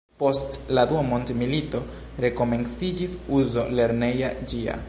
Post la Dua mondmilito rekomenciĝis uzo lerneja ĝia.